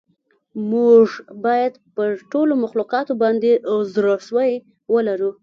موږ باید پر ټولو مخلوقاتو باندې زړه سوی ولرو.